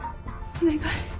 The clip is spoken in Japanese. お願い。